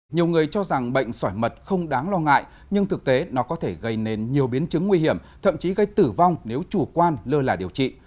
nhiều người cho rằng bệnh sỏi mật không đáng lo ngại nhưng thực tế nó có thể gây nên nhiều biến chứng nguy hiểm thậm chí gây tử vong nếu chủ quan lơ là điều trị